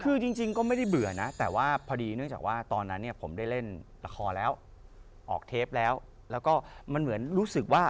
คือจริงก็ไม่ได้เบื่อนะแต่ว่าพอดีเนื่องจากว่าตอนนั้นเนี่ยผมได้เล่นละครแล้วออกเทปแล้วแล้วก็มันเหมือนรู้สึกว่า